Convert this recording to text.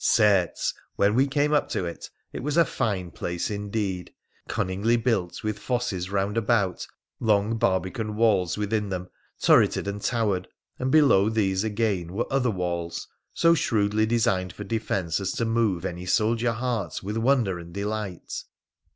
Certes ! when we came up to it, it was a fine place indeed, cunningly built with fosses round about, long barbican walls within them, turreted and towered, and below these again were other walls so shrewd designed for defence as to move any soldier heart with wonder and delight.